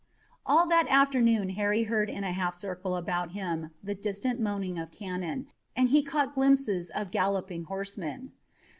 All that afternoon Harry heard in a half circle about him the distant moaning of cannon, and he caught glimpses of galloping horsemen.